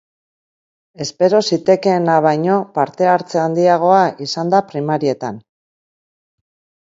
Espero zitekeena baino parte-hartze handiagoa izan da primarietan.